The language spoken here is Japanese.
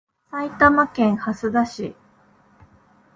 埼玉県蓮田市